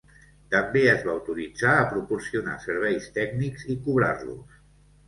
També es va autoritzar a proporcionar serveis tècnics i cobrar-los.